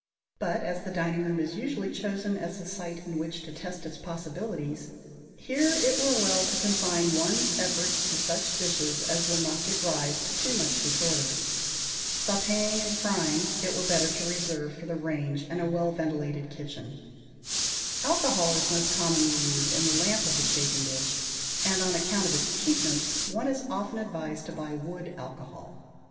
But as the dining room is usually chosen as the site in which to test its possibilities, here it were well to confine one's efforts to such dishes as will not give rise to too much disorder. Sautéing and frying it were better to reserve for the range and a well ventilated kitchen. [Illustration: Course at Formal Dinner served in Individual Chafing Dishes. (See page 157)] Alcohol is most commonly used in the lamp of the chafing dish; and, on account of its cheapness, one is often advised to buy wood alcohol.